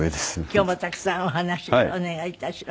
今日もたくさんお話お願いいたします。